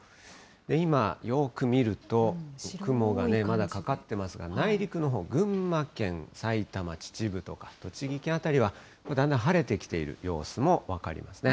今、よーく見ると、雲がまだかかってますが、内陸のほう、群馬県、埼玉・秩父とか、栃木県辺りは、だんだん晴れてきている様子も分かりますね。